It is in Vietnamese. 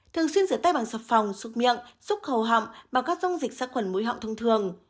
thường xuyên rửa tay bằng sập phòng xúc miệng xúc hầu họng bằng các dông dịch xác khuẩn mũi họng thông thường